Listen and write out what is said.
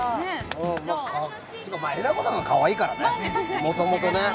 まあ、えなこちゃんがかわいいからね、もともと。